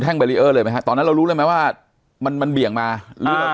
แท่งเลยไหมฮะตอนนั้นเรารู้ได้ไหมว่ามันมันเบี่ยงมาอ่า